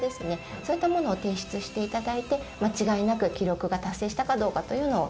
そういったものを提出して頂いて間違いなく記録が達成したかどうかというのを。